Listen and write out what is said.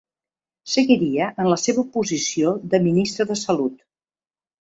Seguiria en la seva posició de Ministre de Salut.